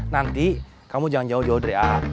nanti kamu jangan jauh jauh dari a